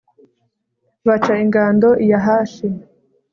baca ingando i yahashi